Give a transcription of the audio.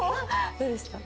どうでした？